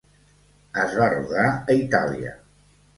Es va rodar a Itàlia.